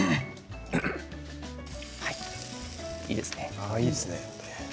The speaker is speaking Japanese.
いいですね。